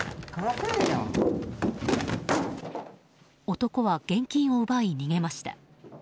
男は現金を奪い、逃げました。